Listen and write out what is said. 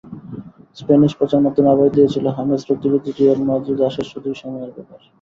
Spanish প্রচারমাধ্যম আভাস দিয়েছিল, হামেস রদ্রিগেজের রিয়াল মাদ্রিদে আসা শুধুই সময়ের ব্যাপার।